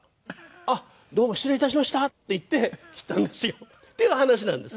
「あっどうも失礼いたしました」って言って切ったんですよ。っていう話なんです。